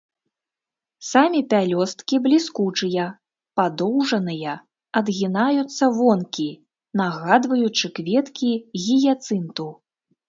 Самі пялёсткі бліскучыя, падоўжаныя, адгінаюцца вонкі, нагадваючы кветкі гіяцынту.